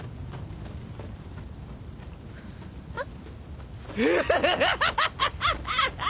あっ！